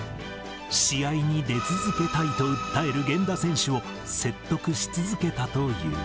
試合に出続けたいと訴える源田選手を説得し続けたという。